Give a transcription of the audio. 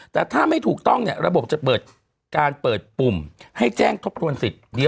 แต่ถ้าไม่ถูกต้องเนี่ยระบบจะเปิดการเปิดปุ่มให้แจ้งทบทวนสิทธิ์